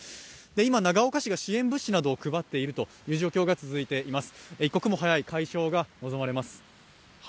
今、長岡市が支援物資などを配っている状況が続いています。